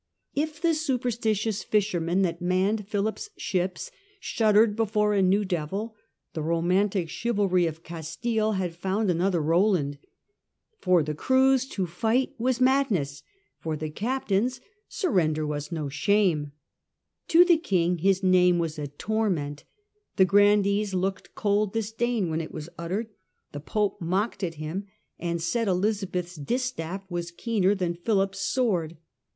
If the superstitious fishermen that manned Philip's ships shuddered before a new devil, the romantic chivalry of Castile had found another Eoland. For the crews, to fight was madness ; for the captains, surrender was no shame. To the King his name was a torment The grandees looked cold disdain when it was uttered. The Pope mocked at him, and said Elizabeth's distaff was keener than Philip's sword.